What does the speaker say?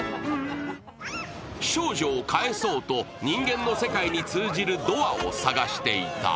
少女を帰そうと人間の世界に通じるドアを探していた。